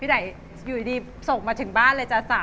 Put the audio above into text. พี่ไหล่อยู่ดีส่งมาถึงบ้านเลยจ้ะ๓๔ใบ